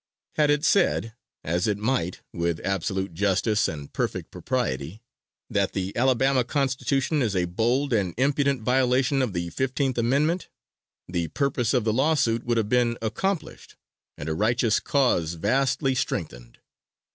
Had it said, as it might with absolute justice and perfect propriety, that the Alabama Constitution is a bold and impudent violation of the Fifteenth Amendment, the purpose of the lawsuit would have been accomplished and a righteous cause vastly strengthened.